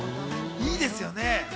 いいですよね。